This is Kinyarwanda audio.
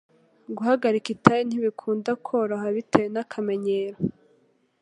Guhagarika itabi ntibikunda koroha bitewe n'akamenyero